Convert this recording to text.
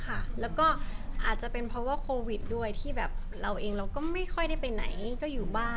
อาจจะเป็นเพราะว่าโควิดด้วยที่เราเองไม่ได้ไปไหนก็อยู่บ้าน